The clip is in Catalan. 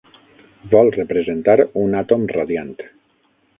Vol representar un àtom radiant.